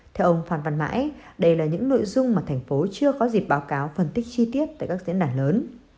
theo ông phan văn mãi đây là những nội dung mà thành phố chưa có dịp báo cáo phân tích chi tiết tại các diễn đàn lớn